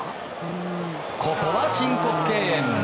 ここは申告敬遠。